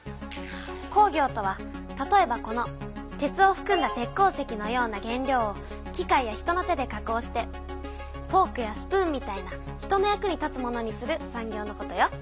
工業とは例えばこの鉄をふくんだ鉄鉱石のような原料を機械や人の手で加工してフォークやスプーンみたいな人の役に立つものにする産業のことよ。